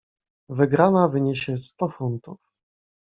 "Wygrana wyniesie sto funtów."